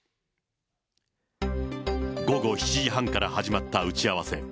午後７時半から始まった打ち合わせ。